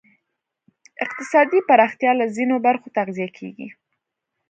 اقتصادي پراختیا له ځینو برخو تغذیه کېږی.